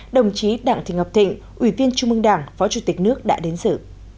đồng chí đảng thị ngọc thịnh ủy viên trung ương đảng phó chủ tịch nước đã đến xử